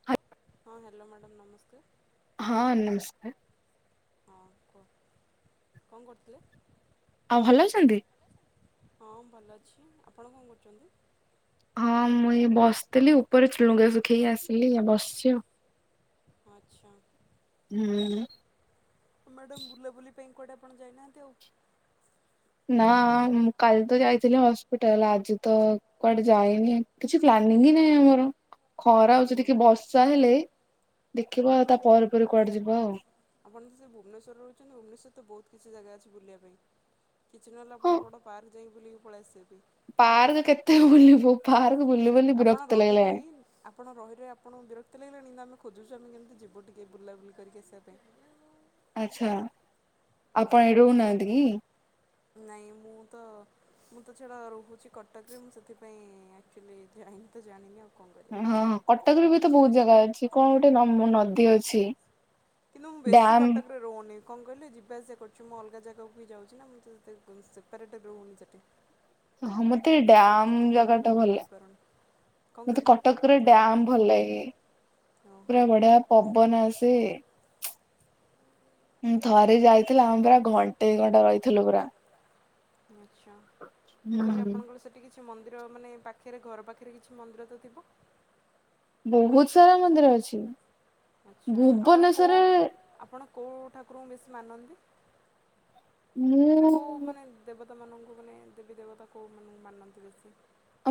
ହାଏ। ହଁ hello madam ନମସ୍କାର। ହଁ ନମସ୍କାର। ହଁ କୁହ କଣ କରୁଥିଲେ? ଆଉ ଭଲ ଅଛନ୍ତି? ହଁ ଭଲ ଅଛି ଆପଣ କଣ କରୁଛନ୍ତି? ହଁ ମୁଁ ଏଇ ବସିଥିଲି ଉପରେ ଲୁଗା ଶୁଖେଇକି ଆସିଲି, ବସିଛି ଆଉ। ଆଚ୍ଛା। ହୁଁ। ମ୍ୟାଡ଼ାମ ବୁଲାବୁଲି ପାଇଁ କୁଆଡେ ଆପଣ ଯାଇନାହାନ୍ତି ଆଉ? ନା, ମୁଁ କାଲି ତ ଯାଇଥିଲି ହସ୍ପିଟାଲ ଆଜି ତ କୁଆଡେ ଯାଏନି, କିଛି ପ୍ଲାନିଂ ହିଁ ନାହିଁ ଆମର। ଖରା ହଉଛି ହୁଁ ଟିକେ ବର୍ଷା ହେଲେ, ଦେଖିବା କୁଆଡ଼େ ଗୋଟେ ଆଉ ତା ଯିବେ ପରେ ପରେ କୁଆଡେ ଯିବା ଆଉ। ଆପଣ ଯଦି ଭୁବନେଶ୍ୱରରେ ରହୁଛନ୍ତି, ଭୁବନେଶ୍ୱରରେ ତ ବହୁତ କିଛି ଜାଗା ଅଛି ବୁଲିବା ପାଇଁ। କିଛି ନହେଲେ ହଁ ଆପଣ ବଡ଼ ପାର୍କ ଯାଇକି ବୁଲିକି ପଳେଇ ଆସିବେ ବି। ପାର୍କ କେତେ ବୁଲିବୁ, ପାର୍କ ବୁଲି ବୁଲି ଆପଣ ବିରକ୍ତ ରହି ଲାଗିଲାଣି। ରହି ଆପଣ ରହି ରହି ଆପଣଙ୍କୁ ବିରକ୍ତ ଲାଗିଲଣି, କିନ୍ତୁ ଆମେ ଖୋଜଛୁ ଆମେ କେମିତି ଯିବୁି ଟିକେ ବୁଲାବୁଲି କରିକି ଆସିବା ପାଇଁ। ଆଚ୍ଛା, ଆପଣ ଏଠି ରହୁନାହାନ୍ତି କି? ନାଇଁ ମୁଁ ତ ମୁଁ ତ ଛାଡ ରହୁଛି କଟକରେ, ମୁଁ ସେଥିପାଇଁ ଆକଚ୍ବାଲି ଯାଇନି ତ ଜାଣିନି ଆଉ। କଣ କରିବା। ହଁ ହଁ, କଟକରେ ବି ତ ବହୁତ ଜାଗା ଅଛି କଣ ଗୋଟେ ନମ ନଦୀ ଅଛି? କିନ୍ତୁ ମୁଁ ବେସି ଡ୍ୟାମ କଟକ ରହୁନି କଣ କହିଲେ ଯିବା ଆସିବା କରୁଛି, ମୁଁ ଅଲଗା ଯାଗା ବି ଯାଉଛି ନା ମୁଁ ତ ସେ ସେପାରେଟ୍ ରହୁନି ସେଇଠି। ହଁ, ମତେ ଏ ଡ଼୍ୟାମ୍ ଜାଗା ଟା ଭଲ ବୁଲାବୁଲି କରିପାରୁନି। କଣ ଲାଗେ। ମତେ କହିଲେ କଟକରେ ଡାମ ଭଲ ଲାଗେ ଓହୋ ପୁରା ବଢିଆ ପବନ ଆସେ। ହୁଁ ଥରେ ଯାଇଥିଲା ଆମେ ପୁରା ଘଣ୍ଟେ ଘଣ୍ଟା ରହିଥିଲୁ ପୁରା। ଆଚ୍ଛା ମୁଁ କହିଲି ହୁଁ। ଆପଣଙ୍କର ସେଠି କିଛି ମନ୍ଦିର ମାନେ ପାଖରେ ଘର ପାଖରେ କିଛି ମନ୍ଦିର ତ ଥିବ।? ବହୁତ ସାରା ମନ୍ଦିର ଅଛି। ଆଚ୍ଛା ଆପଣ କୋଉ ଭୁବନେଶ୍ଵରରେ ଆପଣ କୋଉ ଠାକୁରଙ୍କୁ ବେଶୀ ମାନନ୍ତି ମାନେ କୋଉ ମୁଁ ମାନେ ଦେବତାମାନଙ୍କୁ ମାନେ ଦେବୀ ଦେବତା କୋଉମାନେ ମାନନ୍ତି ବେଶୀ?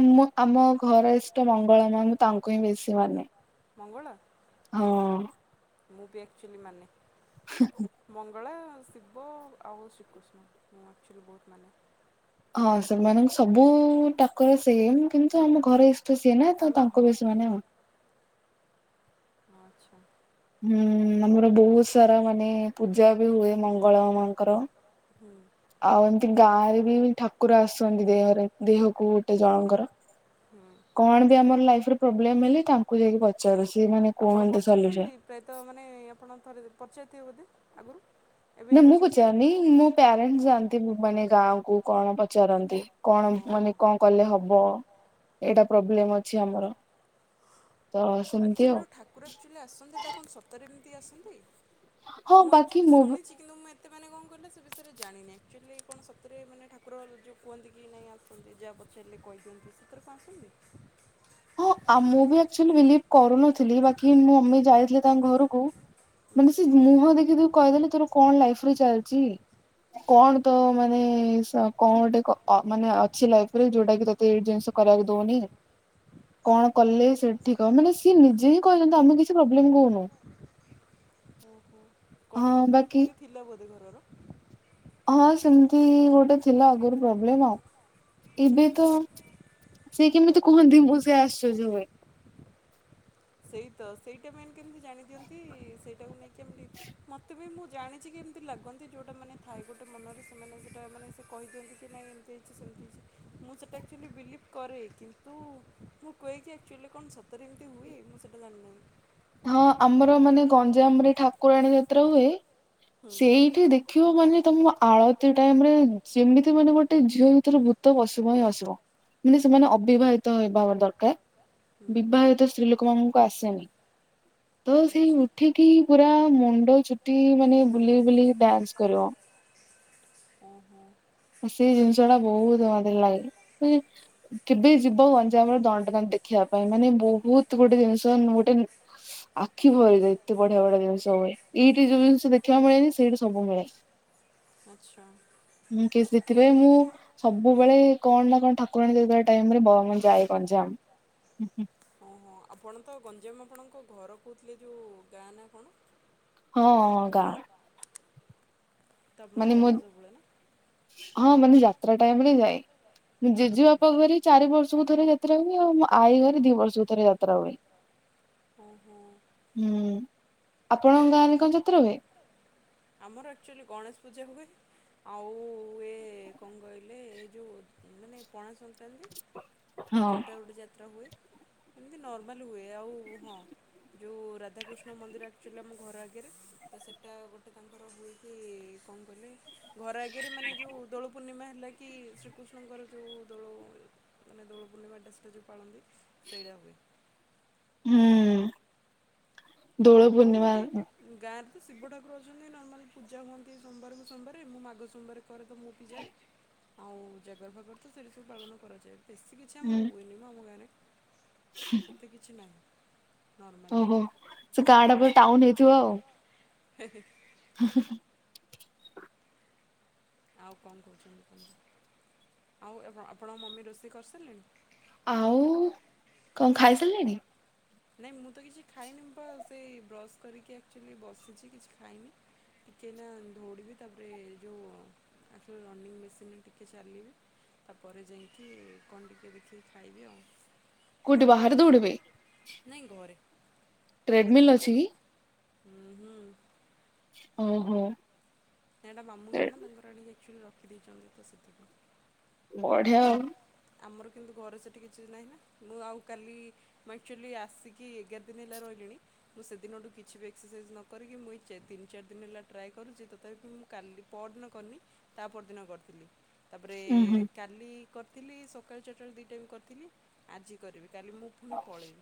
ମୁଁ ଆମ ଘର ଇଷ୍ଟ ମଙ୍ଗଳ ମା ମୁଁ ତାଙ୍କୁ ହିଁ ବେଶୀ ମାନେ। ମଙ୍ଗଳା। ହଁ। ମୁଁ ବି ଆକ୍ଚୁଆଲି ମାନେ। ହୁଁ ହୁଁ। ମଙ୍ଗଳା ଶିବ ଆଉ ଶ୍ରୀକୃଷ୍ଣ ମୁଁ ଆକ୍ଚୁଆଲି ବହୁତ ମାନେ। ହଁ ସେମାନଙ୍କୁ ସବୁ ଠାକୁର ସେମ୍ କିନ୍ତୁ ଆମ ଘରେ ତ ସିଏ ନା ତ ଆମେ ହଁ ତାଙ୍କ ବି ସେ ମାନେ ଆଁ [unintelligible] ହଁ ଆଚ୍ଛା। ହୁଁ ଆମର ବହୁତ ସାରା ମାନେ ପୂଜା ବି ହୁଏ ମଙ୍ଗଳା ମାଆଙ୍କର। ଆଉ ଏମିତି ଗାଁରେ ବି ଠାକୁର ଆସୁଛନ୍ତି ଦେହରେ ଦେହକୁ। ସେ ଜଣଙ୍କର କଣ ବି ଆମର ଲାଇରେ ପ୍ରୋବ୍ଲେମ ହେଲେ ତା [unintelligible] କୁ ଯାଇକି ପଚାରୁଚି ମାନେ ଆପଣ କୁହନ୍ତୁ ପଚାରୁଛନ୍ତି ସଲୁସନ୍। ପ୍ରାୟତଃ ମାନେ ଆପଣ ଥରେ ପଚାରିଥିବେ ବୋଧେ ଆଗରୁ? ଏବେ ବି ନାଁ ମୁଁ ପଚାରୁଥିବେ ପଚାରିନି। ମୋ ପ୍ୟାରେଣ୍ଟ ଯାଆନ୍ତି ମାନେ ଗାଁ କୁ କଣ ପଚାରନ୍ତି କଣ ଓହୋ। ମାନେ କଣ କଲେ ହବ ଏଇଟା ପ୍ରୋବ୍ଲେମ ଅଛି ଆମର। ତ ସେମିତି ଆଉ ଆକ୍ଚୁଆଲି ଠାକୁର ଆକ୍ଚୁଆଲି ଆସନ୍ତି ସେଇଟା କଣ ସତରେ ଏମିତି ଆସନ୍ତି? ହଁ ମୁଁ ବାକି ଆକ୍ଚୁଆଲି ମୁଁ ବି ଶୁଣିଛି। କିନ୍ତୁ ମୁଁ ଏତେ ମ କଣ କିଲ ସେ ବିଷୟରେ ଜାଣିନି ଆକ୍ଚୁଆଲି କଣ ସତରେ ମାନ ଠାକୁର ଯେଉଁ କୁହନ୍ତି କି ନାହିଁ ଆଉ ଯାହା ପଚାରିଲେ କହିଦିଅନ୍ତି ସେଥିରେ କଣ ଆସନ୍ତି। ହଁ ଆମ ମୁଁ ବି ଅକ୍ଚଲି ବିଲିଭି କରୁନଥିଲି ବାକି ମୁଁ ମମି ଯାଇଥିଲେ ତାଙ୍କ ଘରକୁ। ମାନେ ସେ ମୁହଁ ଦେଖି କହିଦେଲେ ତୋର କଣ ଲାଇଫ ରେ ଚାଲିଛି। କଣ ତ ମାନେ କଣ ଗୋଟେ କ ମାନେ ଅଛି ଲାଇଫ ରେ ଯୋଉଟା କି ତତେ ଏ ଜିନିଷ କରିବାକୁ ଦଉନି। କଣ କଲେ ସେଠି ଠିକ୍ ହବ ମାନେ ସିଏ ନିଜେ ହିଁ କହିଛନ୍ତି ଆମେ କିଛି ପ୍ରୋବ୍ଲେମ କହୁନୁ। ଓହୋ ହଁ କଣ ପ୍ରୋବ୍ଲେମ ବାକି ଏଇମିତି ଥିଲା ବୋଧେ ଘରର। ହଁ ସେମିତି ଗୋଟେ ଥିଲା ଆଗରୁ ପ୍ରୋବ୍ଲେମ ଆଉ ଏବେ ତ ସେ କେମିତି କୁହନ୍ତି ମୁଁ ସେ ଆସର୍ଚ୍ୟ ହୁଏ। ସେଇ ତ ସେଇଟା ମେନ୍ କେମିତି ଜାଣି ଦିଅନ୍ତି ସେଇଟାକୁ ନେଇକି କେମତି ମତେ ବି ମୁଁ ଜାଣିଛି କେମତି। ଏମ ଲାଗନ୍ତି ଯେଉଁଟା ମାନେ ଥାଏ ଗୋଟେ ମନରେ ସେମାନେ ସେଇଟା ମାନେ ସେ କହିଦିଅନ୍ତି ଯେ ନାଇଁ ଏମିତି ହେଇଚି ସେମିତି ହେଇଚି। ମୁଁ ସେଇଟା ଆକ୍ଚୁଆଲି ବିଲିଭ୍ କରେ କିନ୍ତୁ ମୁଁ କୁହେ କି ଆକ୍ଚୁଆଲି କଣ ସତରେ ଏମିତି ହୁଏ। ମୁଁ ସେଇଟା ଜାଣିନି। ହଁ ଆମର ମାନେ ଗଞ୍ଜାମରେ ଠାକୁରାଣୀ ଯାତ୍ରା ହୁଏ ହୁଁ ସେଇଠି ଦେଖ ଦେଖିବ ମାନେ ତମ ଆଳତି ଟାଇମ ରେ ଯେମିତି ମାନେ ଗୋଟେ ଝିଅ ଭିତରେ ଭୂତ ପଶିବ ହିଁ ଆସିବ। ମାନେ ସେମାନେ ଅବିବାହିତ ହେବା ଦରକାର ହୁଁ ବିବାହିତ ସ୍ତ୍ରୀ ଲୋକ ମାନଙ୍କୁ ଆସେନି। ତ ସେଇ ଆଚ୍ଛା ଉଠିକି ପୁରା ମୁଣ୍ଡ ଚୁଟି ମାନେ ବୁଲି ବୁଲିି ଡ୍ୟାନ୍ସ କରିବ। ହଁ ହଁ। ସେଇ ଜିନିଷ ଟା ବହୁତ ମାତ୍ରାରେ ଲାଗେ। କେବେ ଯିବ ଗଞ୍ଜାମର ଦଣ୍ଡନାନ ଦେଖିବା ପାଇଁ ମାନେ ବହୁତ ଗୋଟେ ଜିନିଷ ଗୋଟେ ଆଖି ଭରିଦିଏ ଏତେ ବଢିଆ ବଢିଆ ଜିନିଷ ହୁଏ ଏଇଠି ଯୋଉ ଜିନିଷ ଦେଖିବାକୁ ମିଳେନି ସେଇଠି ସବୁ ମିଳେ। ଆଚ୍ଛା। ଉଁ କି ସେଥିପାଇଁ ମୁଁ। ସବୁବେଳେ କଣ ନା କଣ ଠାକୁରାଣୀ ଦେଇ ଟାଇମରେ ବ ଯାଏ ଗଞ୍ଜାମ ହୁଁ ହୁଁ। ହଁ ଆପଣ ତ ଗଞ୍ଜାମ ଆପଣଙ୍କ ଘର କହୁଥିଲେ ଯେଉଁ ଗାଁ ନା କଣ। ହଁ ଗାଁ। ତ୍ ଆପଣ ମାନେ ମୋ ଯାଆନ୍ତି ସବୁବେଳେ ନା। ହଁ ମାନେ ଯାତ୍ରା ଟାଇମ ରେ ଯାଏ। ମୁଁ ଓହୋ ଜେଜେବାପା ଘରେ ଚାରି ବର୍ଷ କୁଥରେ ଯାତ୍ରା ହୁଏ ଆଉ ମୋ ଆଈ ଘରେ ଦି ବର୍ଷକୁ ଥରେ ଯାତ୍ରା ହୁଏ। ଓହୋ। ହୁଁ ଆପଣଙ୍କ ଗାଁରେ କଣ ଯାତ୍ରା ହୁଏ? ଆମର ଆକ୍ଚୁଆଲି ଗଣେଶ ପୂଜା ହୁଏ ଆଉ ଏ କଣ କହିଲେ ଏ ଯେଉ ମାନେ ପଣା ସଂକ୍ରାନ୍ତି ହଁ ସେଟା ଗୋଟେ ଯାତ୍ରା ହୁଏ। ଏମିତି ନର୍ମାଲ ହୁଏ ଆଉ ହଁ। ଯେଉଁ ରାଧାକୃଷ୍ଣ ମନ୍ଦିର ଆକ୍ଚୁଲି ଆମ ଘର ଆଗରେ ତ ସେଇଟା ଗୋ ଟେ ତାଙ୍କର ହୁଏକି କଣ କହିଲେ ଘର ଆଗରେ ମାନେ ଯେଉ ଦୋଳ ପୂର୍ଣ୍ଣିମା ହେଲା କି କି ଶ୍ରୀକୃଷ୍ଣଙ୍କର ଜୋଉ ଦୋଳ ମାନେ ଦୋଳପୂର୍ଣ୍ଣିମା ଟା ସେଟା ଯୋଉ ପାଳନ୍ତି। ସେଇଟା ହୁଏ। ହୁଁ। ଦୋଳ ଆଉ ତ ପୂର୍ଣ୍ଣିମା ଏମିତି ଗାଁରେ ତ ଶିବ ଠାକୁର ଅଛନ୍ତି ନର୍ମାଲି ପୂଜା ହୁଅନ୍ତି ସୋମବାର କୁ ସୋମବାରେ ମୁଁ ମାଘ ସୋମବାର କରେ ତ ମୁଁ ବି ଯାଏ। ଆଉ ଜାଗର ଫାଗର ତ ସେଇଠି ସବୁ ପାଳନ କରାଯାଏ। ବେଶି କିଛି ହୁଁ ଆମର ହୁଏନି ମ ଆମ ଗାଁରେ ଏତେ କିଛି ନାହିଁ। ନର୍ମାଲି ଓହୋ। ସେ ଗାଁ ଟା [unintelligible] ଟାଉନ୍ ହେଇଥିବ ଆଉ। ହେଁ, ହେଁ। ହେ, ହେ, ହେ। ଆଉ କଣ କହୁଛନ୍ତି କୁହନ୍ତୁ। ଆଉ ଏପଣ ଆପଣଙ୍କ ମମି ରୋଷେଇ କରିସାରଲେଣି? ଆଉ କଣ ଖାଇ ସାରିଲେଣି? ନାଇଁ ମୁଁ ତ କିଛି ଖାଇନି, ମୁଁ ପା ସେଇ ବ୍ରସ୍ କରିକି ଆକ୍ଚୁଲି ବସିଛି କିଛି ଖାଇନି। ଟିକେ ଏଇନା ଦୌଡିବି ତାପରେ ଏ ଯୋଉ ଆକ୍ଚୁଲି ରନିଂ ମେସିନ୍ ରେ ଟିକେ ଚାଲିବି। ତାପରେ ଯାଇକି କଣ ଟିକିଏ ଦେଖିକି ଖାଇବି ଆଉ। କୋଉଠି ବାହାରେ ଦୌଡ଼ିବେ? ନାଇ ଘରେ। ଟ୍ରେଡମିଲ୍ ଅଛି କି? ଉଁ, ହୁଁ। ଓହୋ। ନା ଏଟା ମାମୁଁ ଘର ନା ତାଙ୍କର ଆଣିକି ଏକ୍ଚୁଲି ରଖିଦେଇଛନ୍ତି ତ ସେଥିପାଇଁ। ବଢିଆ ଆଉ। ଆମର କିନ୍ତୁ ଘରେ ସେଠି କିଛି ନାହିଁ ନା, ମୁଁ ଆଉ କାଲି ମୁଁ ଆକ୍ଚୁଲି ଆସିକି ଏଗାର ଦିନ ହେଲା ରହିଲିଣି। ମୁଁ ସେଦିନଠୁ କିଛି ବି ଏକ୍ସସାଇଜ୍ ନ କରିକି ମୁଁ ଏଇ ଚା- ତିନି ଚାରି ଦିନ ହେଲା ଟ୍ରାଏ କରୁଚି ତଥାପି ମୁଁ କାଲି ପରଦିନ କରିନି ତା ପରଦିନ କରିଥିଲି। ତାପରେ ଉଁ ହୁଁ କାଲି କରିଥିଲି ସକାଳ ଚାଟା ବେଳେ ଦି ଟାଇମ୍ କରିଥିଲି। ଆଜି କରିବି, କାଲି ମୁଁ ପୁଣି ପଳେଇବି,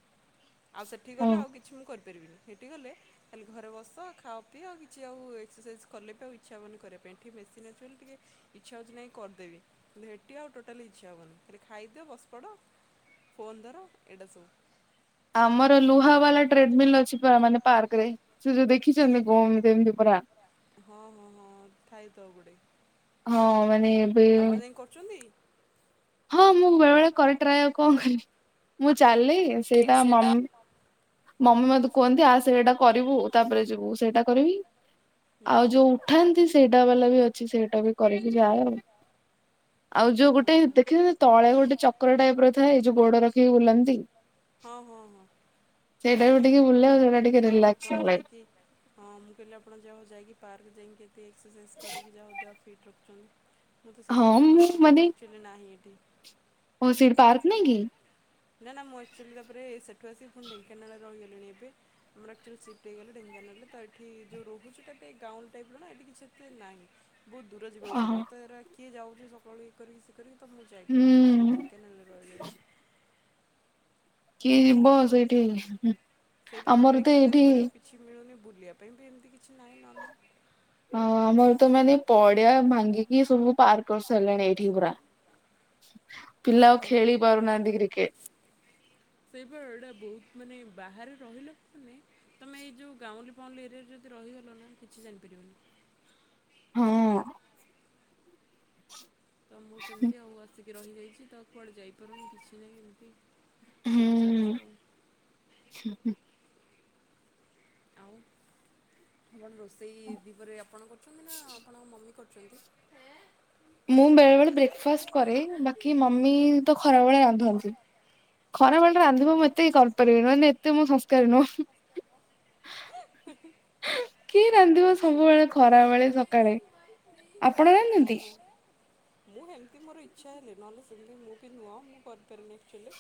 ଆଉ ସେଠିକି ହଁ। ଗଲେ ଆଉ କିଛି ମୁଁ କରିପାରିବିନି। ସେଠି ଗଲେ ଖାଲି ଘରେ ବସ ଖାଅ ପିଇ ଆଉ କିଛି ଆଉ ଏକ୍ସସାଇଜ୍ କଲେ ବି ତ ଆଉ ଇଚ୍ଛା ହବନି କରିବା ପାଇଁ, ଏଠି ମେସିନ୍ ଅଛି ବୋଲି ଟିକେ ଇଚ୍ଛା ହଉଛି ନାଇଁ କରିଦେବି, କିନ୍ତୁ ହେଟି ଆଉ ଟୋଟ ଟାଲି ଇଚ୍ଛା ହବନି, ଖାଲି ଖାଇଦିଅ ବସ ପଡ଼, ଫୋନ୍ ଧର ଏଇଟା ସବୁ। ଆମର ଲୁହା ବାଲା ଟ୍ରେଡମିଲ୍ ଅଛି ପା ମାନେ ପାର୍କ ରେ। ସେ ଯୋଉ ଦେଖିଛନ୍ତି ନା କଣ ଏମିତି ଏମିତି ପରା? ହଁ, ହଁ, ହଁ ଥାଇ ତ ଗୋଟେ। ହଁ ମାନେ ଏବେ ଆପଣ ଯାଇ କରୁଚନ୍ତି? ହଁ ମୁଁ ବେଳେ ବେଳେ କରେ ଟ୍ରାଏ, ଆଉ କଣ କରିବି, ମୁଁ ଚାଲେ, ସେଇଟା ମମି ମମି ମୋତେ କୁହନ୍ତି ଆ ସେଇଟା କରିବୁ ତାପରେ ଯିବୁ, ସେଇଟା କରିମି। ହୁଁ ଆଉ ଯୋଉ ଉଠାନ୍ତି ସେଇଟା ବାଲା ବି ଅଛି ସେଇଟା ବି କରିକି ଯାଏ ଆଉ। ଆଉ ଯୋଉ ହଁ ଗୋଟେ ହଁ। ଦେଖିଚନ୍ତି ତଳେ ଗୋଟେ ଚକ୍ର ଟାଇପ୍ ର ଥାଏ ଏଇ ଯୋଉ ଗୋଡ ରଖିକି ବୁଲନ୍ତି? ହଁ, ହଁ, ହଁ। ସେଇଟାକୁ ଟିକେ ବୁଲଲେ ଆଉ ସେଇଟା ଟିକେ ଯାଉ ରିଲାକ୍ସ ଆପଣ ଲାଗେ। ଯାଇକି ହଁ ମୁଁ କହିଲି ଆପଣ ଯାହଉ ଯାଇକି ପାର୍କ ଯାଇକି ଏତେ ଏକ୍ସସାଇଜ୍ କରିକି ଯାହଉ ଦେହ ଫିଟ୍ ରଖୁଛନ୍ତି। ମୁଁ ତ ହଁ ସେତିକି ମୁଁ ଆମର ମାନେ ସୁବିଧା ଏକ୍ଚୁଲି ନାହିଁ ଏଠି। ଓ ସେଇଠି ପାର୍କ ନାଇଁ କି? ନା ନା ମୁଁ ଏକ୍ଚୁଲି ତାପରେ ସେଠୁ ଆସି ପୁଣି ଢେଙ୍କାନାଳରେ ରହିଗଲିଣି ଏବେ। ଆମର ଆକ୍ଚୁଲି ସିପ୍ଟ ହେଇଗଲେ ଢେଙ୍କାନାଳରେ ତ ଏଠି ଯୋଉ ରହୁଛୁ ଏଟା ଟିକେ ଗାଉଁଲ ଟାଇପ୍ ର ନା ଏଠି କିଛି ଏତେ ନାହିଁ। ବହୁତ ଦୂର ଯିବାକୁ ଅହ ପଡ଼ିବ ତ ଏରା କିଏ ଯାଉଚି ସକାଳୁ ଇଏ କରିକି ସିଏ କରିକି ତ ମୁଁ ଯାଇପାରୁନି। ମୁଁ ହୁଁ। ଢେଙ୍କାନାଳ ‌‌ରେ ରହିଯାଇଛି। କିଏ ଯିବ ସେଇଠି, ସେଇପା ତାପରେ ଆମର ତ ଏକ୍ସରସାଇଜ୍ ଏଇଠି କରିବାକୁ କିଛି ମିଳୁନି ବୁଲିବା ପାଇଁ ବି ଏମିତି କିଛି ନାହିଁ ନର୍ମ ହଁ ଆମର ତ ମାନେ ପଡିଆ ଭାଙ୍ଗିକି ସବୁ ପାର୍କ କରି ସାଇଲେଣି ଏଇଠି ପୁରା। ପିଲା ଆଉ ଖେଳି ପାରୁ ନାହାନ୍ତି କ୍ରିକେଟ। ସେଇପା ଏଇଟା ବହୁତ ମାନେ ବାହାରେ ରହିଲେ ମାନେ ତମେ ଏଇ ଯୋଉ ଗାଉଁଲି ଫାଉଁଲି ଏରିଆରେ ଯଦି ରହିଗଲ ନା କିଛି ଜାଣିପାରିବନି। ହଁ। ତ ମୁଁ ସେମିତି ଆଉ ଆସିକି ରହିଯାଇଛି ତ କୁଆଡେ ଯାଇପାରୁନି କିଛି ନାହିଁ ଏମିତି ସବୁ ଚାଲିଛି ଆଉ ହୁଁ ଉଁ। ଆଉ କଣ ରୋଷେ ସେଇ ଭିଭରେ ଆପଣ କରୁଛନ୍ତି ନା ଆପଣଙ୍କ ମମି କରୁଛନ୍ତି। ମୁଁ ବେଳେ ବେଳେ ବ୍ରେକଫାଷ୍ଟ କରେ ବାକି ମମି ତ ଖରାବେେଳେ ରାନ୍ଧନ୍ତି। ଖରା ବେଳେ ରାନ୍ଧିବା ମୁଁ ଏତେ କରିପାରିବିନି ଏତେ ମୁଁ ସଂସ୍କାରି ନୁହଁ। ହୁଁ ହୁଁ। କିଏ ରାନ୍ଧିବ ସବୁବେଳେ ଖରା ବେଳେ ସକାଳେ ଆପଣ ଓ ରାନ୍ଧନ୍ତି। ହୋ। ମୁଁ ହେମିତି ମୋର ଇଚ୍ଛା ହେଲେ ନହେଲେ ସେମିତି ମୁଁ ବି ନୁହଁ ମୁଁ କରିପାରିନି ଆକ୍ଚୁଆଲି।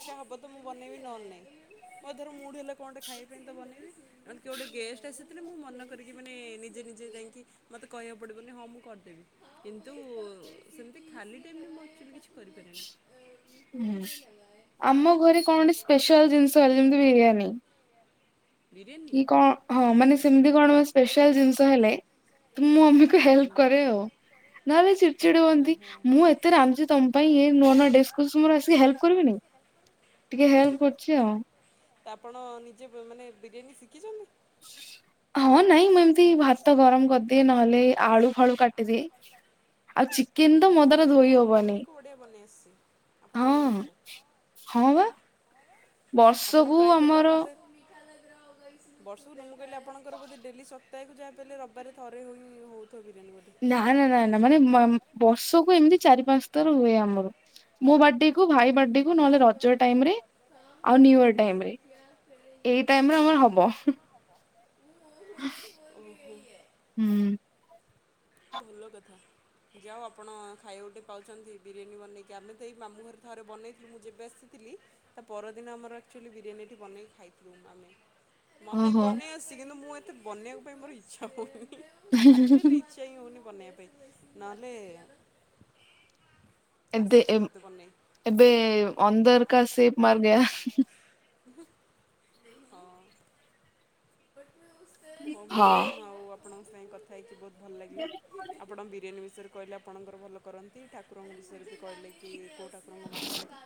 ଇଛା ହବ ତ ମୁଁ ବନେଇବି ନହଲେ ନାଇଁ ମୋ ଧର ମୁଡ ହେଲେ କଣେଟେ ଖାଇବା ପାଇଁ ତ ବନେଇବି। ମାନେ କିଏ ଗୋଟେ ଗେଷ୍ଟ ଆସିଥିଲେ ମୁଁ ମନ କରିକି ମାନେ ନିଜେ ନିଜେ ଯାଇକି ମୋତେ କହିବାକୁ ପଡ଼ିବନି ହଁ ମୁଁ କରିଦେବି କିନ୍ତୁ ସେମିତି ଖାଲି ଟାଇମରେ ମୁଁ ଆକ୍ଚୂଆଲି କିଛି କରିପାରେନି। ହୁଁ ଆମ ଘରେ କଣ ସ୍ପେଶାଲ ଜିନିଷ ହେଲା ଯେମିତି ବିରିୟାନୀ। ବିରିୟାନୀ କି କଣ ହଁ ମାନେ ସେମିତି କଣ ସ୍ପେଶାଆଲ ଜିନିଷ ହେଲେ ମୁଁ ମୋ ମମିକୁ ହେଲ୍ପ କରେ ଆଉ ନହେଲେ ଚିଡିଚିଡି ହୁଅନ୍ତି ଓହୋ ମୁଁ ଏତ୍ ଏତେ ରାନ୍ଧୁଛି ତମ ପାଇଁ ଇଏ ନୂଆ ନୂଆ ଡିସ କରୁଚି ତୁମେ ମୋର ଆସିକି ହେଲ୍ପ କରିବନି। ଟିକେ ହେଲ୍ପ କରୁଛି ଆଉ। ଆପଣ ନିଜେ ମାନେ ବିରିୟାନୀ ଶିଖିଛନ୍ତି? ହଁ ନାଇଁ ମୁଁ ଏମିତି ଭାତ ଗରମ କରିଦିଏ। ନହେଲେ ଆଳୁ ଫାଳୁ କାଟିଦିଏ ଆଉ ଚିକ ହଁ କିନ୍ତୁ ମୋ ଦ୍ୱାରା ମମିଙ୍କୁ ଧୋଇ ହବନି ମମିଙ୍କୁ ବଢ଼ିଆ ବନେଇ ଆସିଛି ଆପଣଙ୍କ ହଁ ହଁ ମମିଙ୍କୁ। ହଁ ବା। ଆପଣ ବର୍ଷକୁ ପ୍ରାୟତଃ ତ -ତ ଆମର ମତେ ବର୍ଷକୁ ମୁଁ କହିଲି ଆପଣଙ୍କର ବୋଧେ ଡେଲି ସପ୍ତାହକୁ ଯାହା ହେଲେ ବି ରବିବାରେ ଥରେ ହିଁ ହଉଛି। [unintelligible] ନା -ନା -ନା -ନା ମାନେ ମ ବର୍ଷକୁ ଏମିତି ଚାରି ପାଞ୍ଚ ଥର ହୁଏ ଆମର। ମୋ ବାର୍ଡେ କୁ ଭାଇ ବାର୍ଡେ କୁ ନହେଲେ ରଜ ଟାଇମ ରେ ଆଉ ନିୟୁ ଇଅର ଟାଇମରେ। ଏଇ ଟାଇମରେ ଆମର ହବ। ଓ ହୋ। ହୁଁ। ଭଲ କଥା। ଯା ହଉ ଆପଣ ଖାଇବା କୁ ଟିକେ ପାଉଛନ୍ତି ବିରିୟାନୀ ବନେଇକି ଆମେ ତ ଏଇ ମାମୁଁ ଘରେ ଥରେ ବନେଇ ମୁଁ ଯେବେ ଆସିଥିଲି ତା ପରଦିନ ଆମର ଆକ୍ଚୁଆଲି ବିରିୟାନୀ ଏଠି ବନେଇକି ଖାଇଥିଲୁ ଆମେ। ମତେ ବି ଓହୋ ବନେଇ ଆସଛି କିନ୍ତୁ ମୁଁ ଏତେ ବନେଇବା ପାଇଁ ମୋର ଇଚ୍ଛା ହଉନି ହେଁ ହେଁ ଆକଚୁଆଲି ହେଁ। ଇଚ୍ଛା ହିଁ ହଉନି ବନେଇବା ପାଇଁ ନହେଲେ ଏତେ ଆସିଛି ଏବେ ମୋତେ ବନେଇ ଏବେ ଅନ୍ଦରକା ସେର ମର ଗୟା। ହୁଁ। ହଁ। ହଉ ହଁ ମ୍ୟାଡ଼ାମ ଆଉ ଆପଣଙ୍କ ସାଙ୍ଗେ କଥା ହେଇକି ବହୁତ ଭଲ ଲାଗିଲା। ଆପଣ ବିରିୟାନୀ ବିଷୟରେ କହିଲେ ଆପଣଙ୍କର ଭଲ କରନ୍ତି ଠାକୁରଙ୍କ ବିଷୟରେ କହିଲେ କି ଠାକୁରଙ୍କୁ ମାନନ୍ତି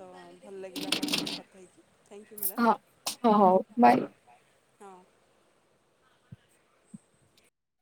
ତ ଭଲ ଲାଗିଲା ଆପଣଙ୍କ ସାଙ୍ଗେ କଥା ହେଇକି ଥ୍ୟାଙ୍କ ୟୁ ମ୍ୟାଡ଼ାମ୍। ହଁ ହଁ ହଉ ହଁ ବାଏ ହଁ।